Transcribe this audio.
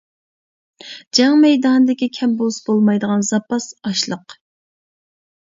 جەڭ مەيدانىدىكى كەم بولسا بولمايدىغان زاپاس ئاشلىق.